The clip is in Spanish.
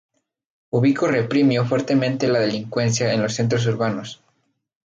Ubico reprimió fuertemente la delincuencia en los centros urbanos.